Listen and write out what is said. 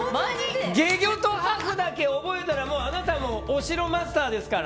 懸魚と破風だけ覚えたらあなたはお城マスターですから。